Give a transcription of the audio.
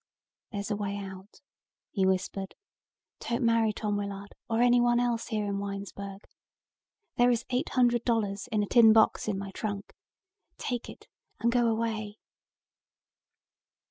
"There's a way out," he whispered. "Don't marry Tom Willard or anyone else here in Winesburg. There is eight hundred dollars in a tin box in my trunk. Take it and go away."